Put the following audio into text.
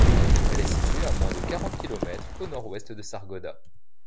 Elle est située à moins de quarante kilomètres au nord-ouest de Sargodha.